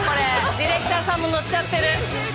ディレクターさんも乗っちゃってる。